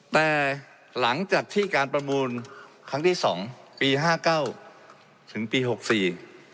แต่หลังจากที่การประมูลครั้งที่๒ปี๕๙ถึงปี๖๔